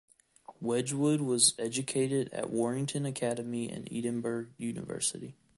Wedgwood was educated at Warrington Academy and Edinburgh University.